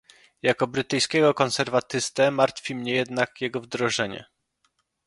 Jako brytyjskiego konserwatystę martwi mnie jednak jego wdrożenie